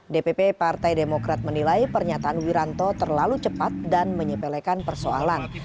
dpp partai demokrat menilai pernyataan wiranto terlalu cepat dan menyepelekan persoalan